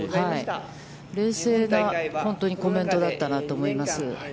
冷静なコメントだったなと思います。